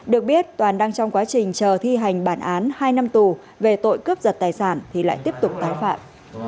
được biết toàn đang trong quá trình chờ thi hành bản án hai năm tù về tội cướp giật tài sản thì lại tiếp tục tái phạm